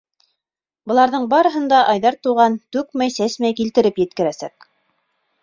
Быларҙың барыһын да Айҙар туған түкмәй-сәсмәй килтереп еткерәсәк.